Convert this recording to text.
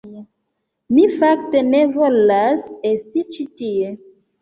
Mi fakte ne volas esti ĉi tie.